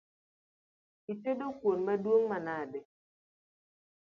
Itedo kuon maduong’ manade?